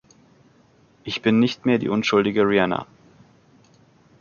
Ich bin nicht mehr die unschuldige Rihanna.